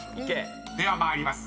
［では参ります。